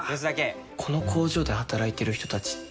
この工場で働いてる人たちって。